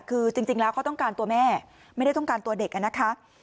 คือจริงแล้วเขาต้องการตัวแม่ไม่ได้ต้องการตัวเด็กนะคะ